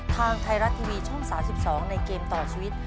ทางไทยรัฐทีวีช่อง๓๒ในเกมต่อชีวิต